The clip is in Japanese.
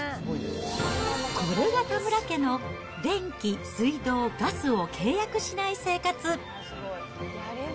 これが田村家の電気、水道、ガスを契約しない生活。